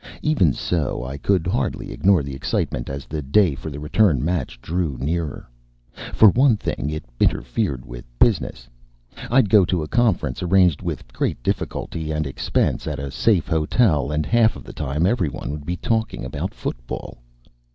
Even so, I could hardly ignore the excitement as the day for the return match drew nearer. For one thing, it interfered with business. I'd go to a conference, arranged with great difficulty and expense at a safe hotel, and half of the time everyone would be talking about football.